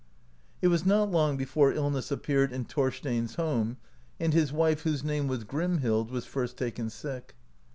It was not long before illness appeared in Thorstein's home, and his wife, whose name was Grim hild, was first taken sick.